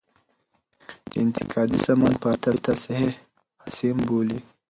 انتقادي سمون په عربي تصحیح حاسم بولي.